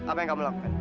apa yang kamu lakukan